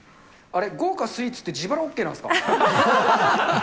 あれ、豪華スイーツって、自腹ＯＫなんですか？